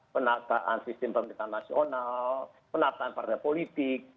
penataan sistem pemerintahan nasional penataan partai politik